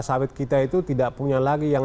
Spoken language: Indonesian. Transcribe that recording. sawit kita itu tidak punya lagi yang